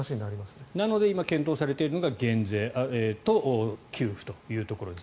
なので今、検討されているのが減税と給付というところです。